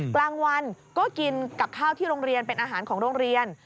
กลางวันก็กินกับข้าวที่โรงเรียนเป็นอาหารของโรงเรียน